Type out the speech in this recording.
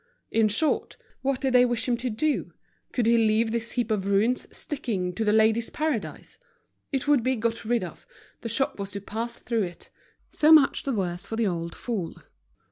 In short, what did they wish him to do? Could he leave this heap of ruins sticking to The Ladies' Paradise? It would be got rid of, the shop was to pass through it. So much the worse for the old fool!